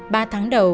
ba tháng đầu